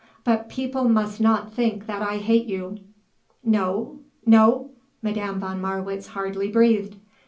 But people must not think that I hate you." "No; no?" Madame von Marwitz hardly breathed.